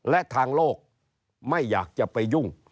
และทางโลกไม่อยากจะไปยุ่ง